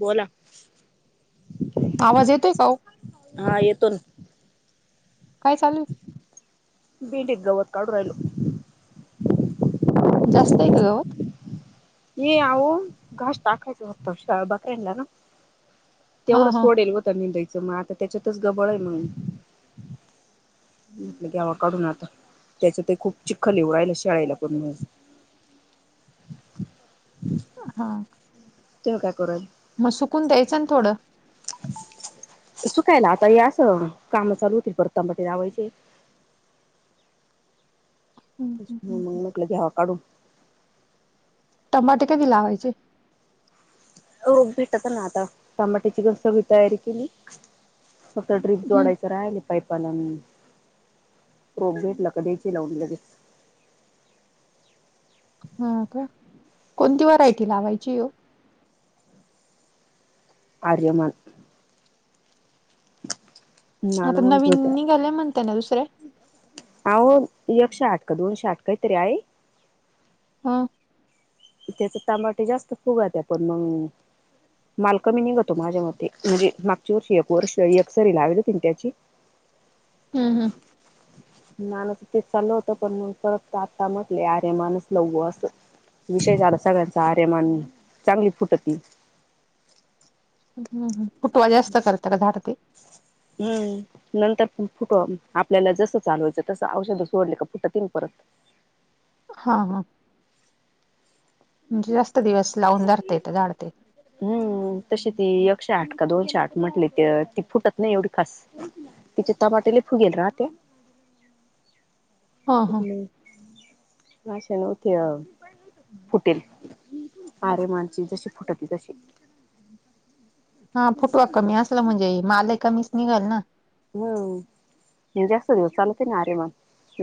बोला आवाज येतय का ओ? हा, येतो ना. काय चालू आहे. भेंडीत गवत काढू राहिले. जास्तय का गवत? ये आऊ घाश टाकायचा होतं शा बकऱ्यानाला ना. हा तेवढं हा सोडेल होतं निदायचं म आता त्याच्यातच गबळ आहे मंग. म्हटलं दयावा काढून आता त्याचं ते खूप चिखल उ राहिला शाळेला करूनच. ब हा. तेव काय करू राहिल? म सुकून द्यायचं ना थोडं. सुकायला आता ये असं काम चालू होतील परत टमाटे लावायचे. हम्म तेच हम्म मंग हम्म. म्हणलं की घ्यावा काढू. टमाटे कधी लावायचे? ओ भेटतं ना आता टमाटी चिकन सगळी तयारी केली. फक्त ड्रीप हम्म. जोडायचं राहिलेत. पाईपाला मी रोप भेटला क द्यायची लावून लगेच. हा का कोणती व्हरायटी लावायची ओ? आर्यमान [inaudible] आता म्हणत नवीन होत्या निघाले म्हणते ना दुसरे? अहो एकशे आठ का दोनशे आठ काहीतरी आहे. हा. त्याचे तमाटे जास्त फुगायाते पण मंग मालकमीनी जातो माझ्या मते म्हणजे मागच्या वर्षी एक वर्ष सरी लावलेती तिनट्याची. हम्म हम्म. मानच ते चाललं होत पण मग परत आता म्हटले, अरे माणूस लव असत. विषय झाला सगळ्यांचा आरेमान चांगली फुटती. हं हं, फुटवा जास्त करतं का झाड ते? हम्म. नंतर फुट फुटं. आपल्याला जसं चालवायचं तसं औषध सोडले का फुटतीन परत. हा हा म्हणजे जास्त दिवस लावून धरता येतं झाड ते. हम्म तशी ती एकशे आठ का दोनशे आठ म्हटले ते ती फुटत नाही एवढी खास. तेच्यात टमाटे लय फुगेल राहते. हा हा उठले राशन होत्या हो. फुटेल. आरे मानसीची शेपूट होती तशी. हा फुटवा कमी असला म्हणजे, मलाही कमीच निघल ना. व्हय ओ. म्हणजे जास्त दिवस चालते ना आरे मग.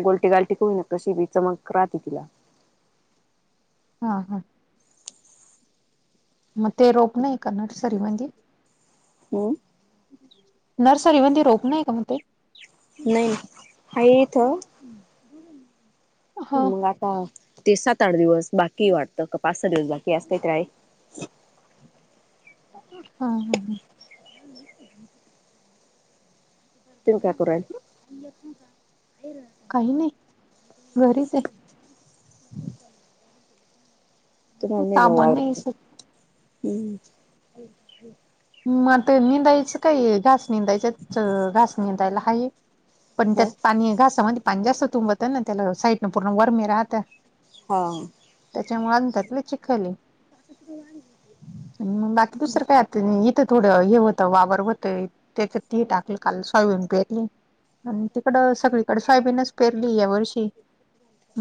गोलटी गाल टिकू ना कशीबी चमक राहते तिला. हा हा. मग ते रोप नाही का नर्सरी मधी? हं. नर्सरी मध्ये रोप नाही का म ते? नाही, हाय इथं हा मग आता ते सात-आठ दिवस बाकी वाटतं का पाच सहा दिवस बाकी असतं तर आहे. हा हा हा. [inaudible] काही नाही, घरीच हाय. [unintelligible] कामा बाबा नाही सु [unintelligible] हम्म. म ते निदाइचं काहीये घास निंदाच्यात च घासनी तायला हाई. पण त्यात ह पाणी घासामध्ये पाणी जास्त तुंबवतं ना, त्याला साईडन पूर्ण वरमे राहतं. हा त्याच्यामुळे म्हणतात लय चिखल हाय. आणि बाकी दुसरं काय? तिने इथं थोडं हे होतं वावर होते त्याचात ती टाकलं काल सोयबीन पेरली. आणि तिकडं सगळीकडे सायबीनच पेरली या वर्षी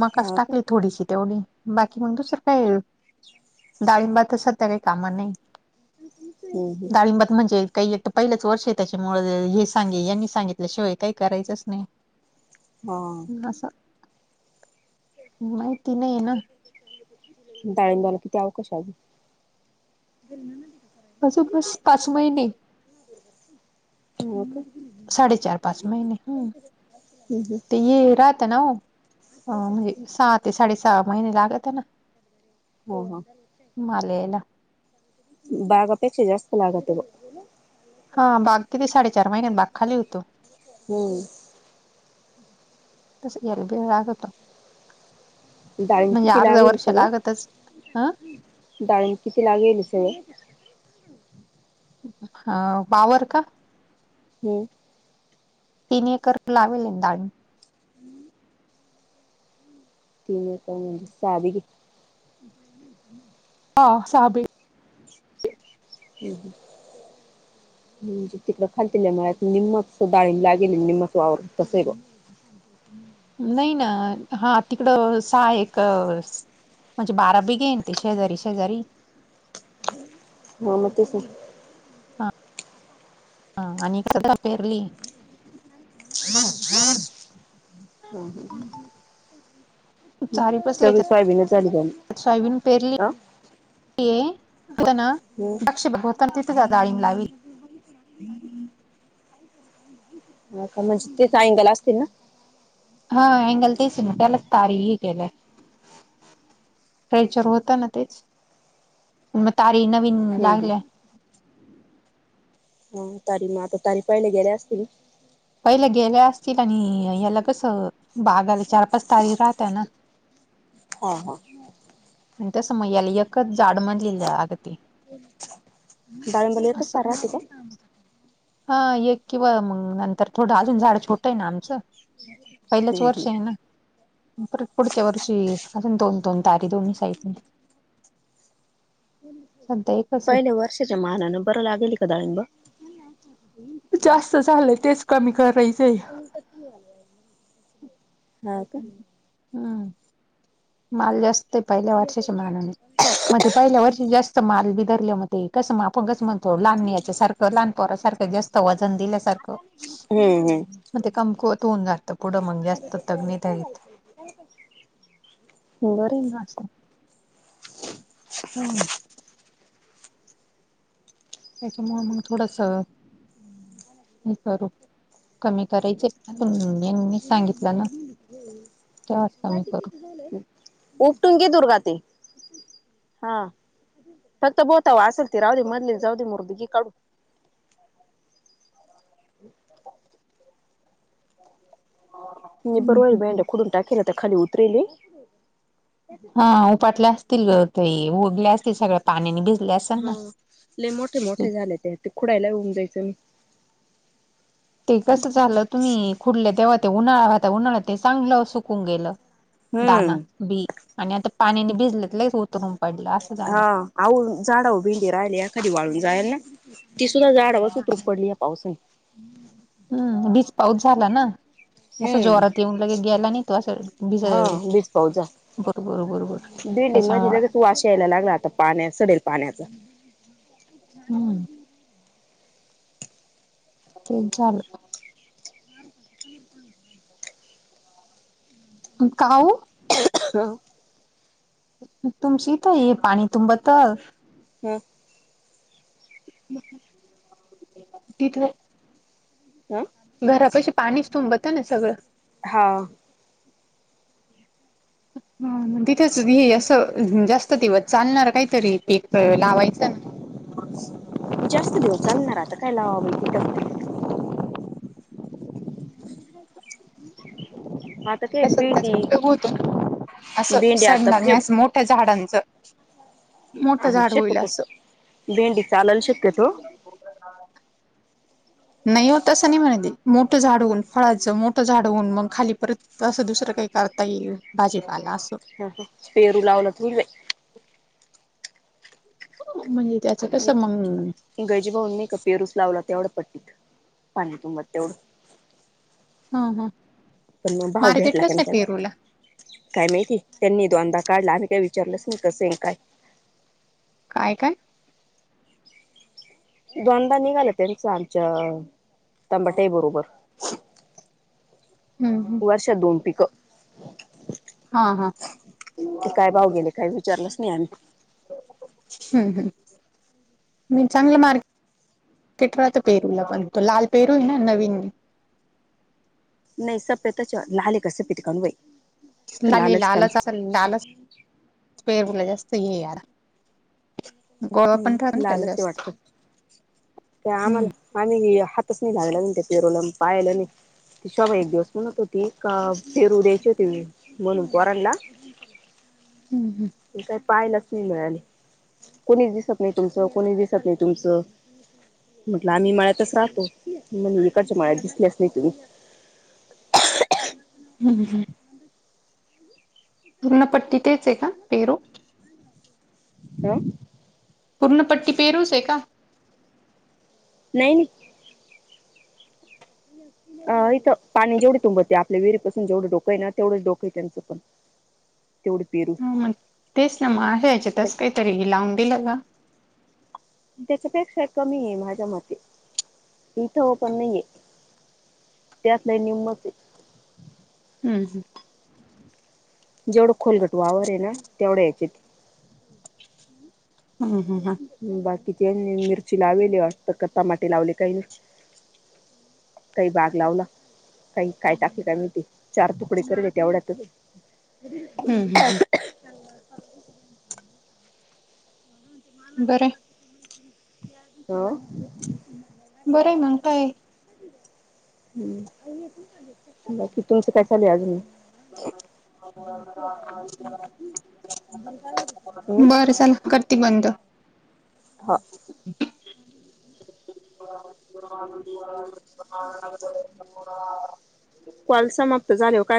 मकास हा का टाकली. थोडीशी तेवढी. बाकी मग दुसरं काय, डाळिंबात तर सध्या काही कामा नाही. हो. दाळिंबात म्हणजे काही येतं पहिल्याच वर्ष आहे, त्याच्यामुळे हे सांगे यांनी सांगितल्याशिवाय काही करायचंच नाही. हा. घसा माहिती नाहीया ना. डाळिंबाला किती अवकाश हाय अजून? असू बस पाच महिने हो का. साडे चार पाच महिने हम्म हम्म ते ये राहताना ओ. अ म्हणजे सहा, ते साडे सहा महिने लागत आहे ना. हो हा. माले यायला बागापेक्षा जास्त लागते ब. हा बाग किती साडेचार महिन्यात बाग खाली होतो. हम्म. तस बी अरबे वागता. डाळिंब म्हणजे किती अर्ध लागेल वर्ष लागतच हां. टाइम किती लागेल हिच्याले? हा बावर का? हम्म. तीन एकर लावेल यंदा आम्ही. हम्म. तीन एकर म्हणजे सहा बिगी हा साहब ही. हम्म हम्म. निंजे तिकडं खालती लेमळ्यात निम्मच डाळी लागल आणि निम्मच वावर तस ही बो. नाही ना, हां. तिकड सहा एक म्हणजे बारा बीघे येन, ते शेजारी शेजारी. हा म तेच ना. हा आणि [unintelligible] पेरली. हम्म हम्म हम्म. चारी बसले सगळी सोयाबीनं चाली झाली सोयाबीन पेरली आं. हम्म [unintelligible] हो का नुसती टाईम गेला असतील ना. हा अँगल तेच ना, त्यालाच तारीही केलंय. फ्रेचर होत ना तेच म तारी नवीन हम्म लागल्या. हम्म.. तारी म आता तारी पहिले गेल्या असतील. पहिल्या गेल्या असतील आणि याला कसं बागाला चार पाच तारी राहताना. हां हां. आणि तसं मयाला एकच जाड मंदलेल्या अगती. डाळिंब्याला एकच तार राहती का? हा एक किंवा मंग नंतर थोडं अजून झाडं छोट आहे ना आमचं. पहिलंच हम्म वर्ष हम्म आहे ना पर पुढच्या वर्षी अजून दोन-दोन तारी दोन्ही काय पण सध्या एक पहिले वर्षाच्या मानानं बरं, लागेल का डाळिंब. जास्त झालंय तेच, कमी करायचेय. हा का? हम्म माल जास्त आहे पहिल्या वर्षाच्या मानाने मध्ये पहिल्या वर्षी जास्त माल बिधरले म ते कसं म आप गस म्हणतो लहानीयाच्या सारखं लहानपरासारखं जास् तव्हाजन दिल्यासार क हम्म हम्म मग ते कमकुवत होत जातं पुढे मंग जास्त तग नाही धरीत. बरेन असं हम्म. त्याच्यामुळे मंग थोडसा हे करू कमी करायचे. [unintelligible] ना [unintelligible] तेव्हाच कमी माहिती करू किती झालंय? उपटून घे दुर्वा ते हा. फक्त बोता असल ती राह मधली, जाऊ दे म मरू घे काढून. [inaudible] [inaudible] [inaudible] [unintelligible] हा उपाटल्या असतील गं ते, उगल्या असतील सगळ्या पाण्याने भिजल्या असल ना. लै मोठे मोठे झाले ते ते, खुड्यायला होऊन जायचं मी. ते कसं झालं तुम्ही खुडलं तेव्हा ते, उन्हाळा उन्हाळ्यात ते चांगलं सुकून गेलं. दाना हम्म बी आणि आता पाण्याने, भिजलेत लै यच उतरून पडला. हा आह झाडा भिंडी राहिले, या एखादी वाळून जाय ला. ती सुद्धा झाड हवाच उतरूक पडल या पावसाने. हम्म वीज पाऊस झाला ना असं जोरात हम्म येऊन लगे गेयला नाही तो असं हा भिजायले बीज पाऊस झाला. गुरु गुरु गुरु त्याच्यामुळे त वाश यायला लागला आता पाण्या सडेल पाण्यान. हम्म. त्यांच्या आलं. अन काऊ. [inaudible] तुमच्या इथे, पाणी तुंबत. हो. तिथवर. अ घरा पाशी पाणीचं, तुंबत ना सगळं. हां व. हं.. तिथेच हे असं, जास्त दिवस चालणार काहीतरी प लावायचं. जास्त दिवस चालणार आता काय लावावं बाई तिथं. [inaudible] काय भेंडी [unintelligible] भेंडी आता अशा फेप मोठ्या झाडांचं मोठं आणि झाड होईल शक्यतो असं भेंडी चालल शक्यतो नाही हो तसं नाही म्हणते, मोठं झाड होऊन फळाचं मो झाडवून मग खाली परत असं, दुसरं काही करता येईल भाजीपाला असं. ह ह पेरू लावलं तुले. म्हणजे त्या गजू भाऊंनी नाही का पेरूची लावला, तेवढ्याच पट्टीत अअ पाणी तुंबत तेवढं. हा हा पण मग भाऊ भेटला का त्यान ते, काय माहिती त्यांनी दोनदा काढला आम्ही काय विचारलंच नाही कसं काय. काय काय? दोनदा निघाला त्यांचं आमच्या तंबाट्याई बरोबर. हम हम वर्षात दोन पीक. हा हा ते काय भाऊ गेले काही विचारलंच नाही आम्ही हम्म हम्म मी चांगलं मार्के किटराच पेहरूला बनतो लाल पेरू आहे न नवीन. नाही सप्यताच लाले कसं प टिकन वई लाल लालच अस लालच पेरूला जास्त हे आहे यार गोळा पण राहतो हम्म. ना त्याला लालच आहे, जास्त वाटत ते हम्म आम्हाला. आम्ही हातच नाही लावला त्या, पेरूला अन पाहिलेही नाही. न ती शोभा एक दिवस म्हणत होती, का पेरू द्यायचे होते म्हणून पोरांना. हम् हम्. काही पायलाच नाही मिळाले, कोणीच दिसत नाही तुमचं कोणीच दिसत नाही तुमचं. म्हटलं आम्ही मळ्यातच राहतो, इकडच्या मळ्यात दिसला नाही तुम्ही. हम् हम. पूर्णपट्टी तेच आहे का, पेरु हं. पूर्णपट्टी पेरू चं आहे का. नाही नाही. [inaudible] अ इथं पाणी जेवढे तुंबते, आपल्या विहिरीपासून जेवढ डोक आहे ना तेवढं डोक आहे त्यांचं पण. तेवढ पेरू. ह मग तेच ना मग आहे, यायच्यातस काहीतरी लावून दिलं ना. त्याच्यापेक्षा कमी आहे, माझ्या मते इथं पण नाहीये. त्यात लै नीम चे. हम् हम्म. जेवढं खोलगट वावर आहे ना, तेवढं यायचेत. हम हम हं. बाकीची मिरची लावली वाटत, की टमाटे लावले काही. काही बाग लावला काही, काही टाकीली काय माहिती. चार तुकडे केले तेवढ्यातच. हम्म हम्म बरं हाय. हो. बर हाय, मग काय. हम्म. बाकी तुमचं काय चाललंय अजून. [inaudible] हं [unintelligible] बरं चला, करते बंद. हां. [unintelligible] कॉल समाप्त झाल्यावर काय.